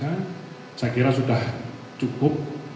saya kira sudah cukup